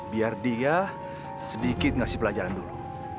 biar dia sedikit ngasih pelajaran dulu